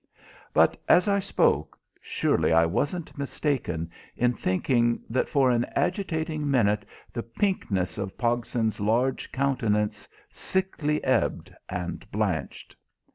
But, as I spoke, surely I wasn't mistaken in thinking that for an agitating minute the pinkness of Pogson's large countenance sickly ebbed and blanched.